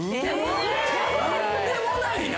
とんでもないな。